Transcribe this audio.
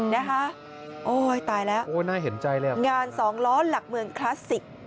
นะฮะโอ๊ยตายแล้วงานสองล้อนหลักเมืองคลาสสิก